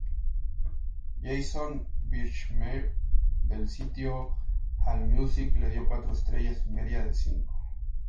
Jason Birchmeier del sitio Allmusic le dio cuatro estrellas y media de cinco.